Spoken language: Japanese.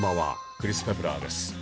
クリス・ペプラーです。